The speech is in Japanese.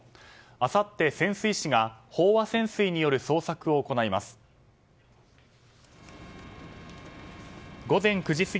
あさって潜水士が飽和潜水による捜索を行います。